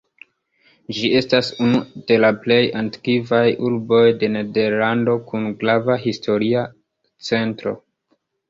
Ĝi estas unu de la plej antikvaj urboj de Nederlando kun grava historia centro.